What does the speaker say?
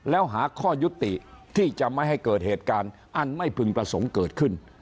แล้วหาข้อยุติที่จะไม่ให้เกิดเหตุการณ์อันไม่พึงประสงค์เกิดขึ้น